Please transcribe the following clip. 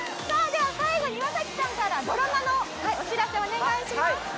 では、最後、岩崎さんからドラマのお知らせをお願いします。